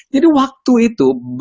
jadi waktu itu